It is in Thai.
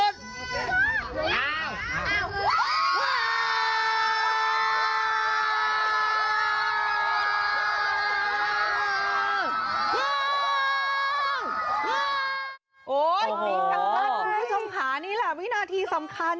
คุณผู้ชมขานี่แหละวินาทีสำคัญ